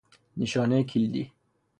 نشانه کلیدی